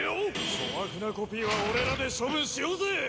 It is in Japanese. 粗悪なコピーは俺らで処分しようぜ！